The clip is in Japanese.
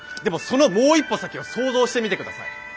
でもそのもう一歩先を想像してみてください。